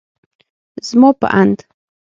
زما په اند